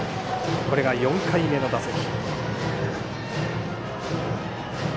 これが４回目の打席。